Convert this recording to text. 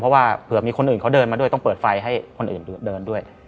เพราะว่าเผื่อมีคนอื่นเขาเดินมาด้วยต้องเปิดไฟให้คนอื่นเดินด้วย